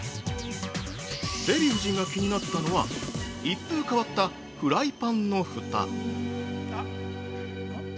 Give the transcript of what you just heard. デヴィ夫人が気になったのは一風変わったフライパンのふた。